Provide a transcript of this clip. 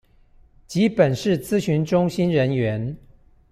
及本市諮詢中心人員